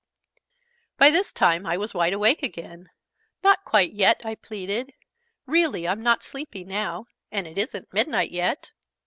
By this time I was wide awake again. "Not quite yet!" I pleaded. "Really I'm not sleepy now. And it isn't midnight yet."